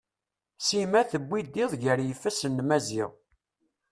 Sima tewwid iḍ gar yifasen n Maziɣ.